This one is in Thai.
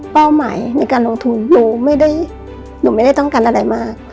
เป้าหมายในการลงทุนหนูไม่ได้ต้องการอะไรมาก